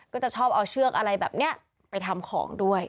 ก็จะชอบเอาเชือกอะไรแบบนี้ไปทำของด้วย